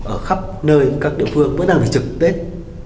ở khắp nơi các địa phương vẫn đang phải trực tết